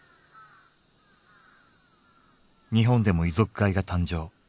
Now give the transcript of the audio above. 日本でも遺族会が誕生。